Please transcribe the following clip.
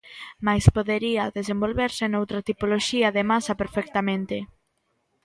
Mais podería desenvolverse noutra tipoloxía de masa perfectamente.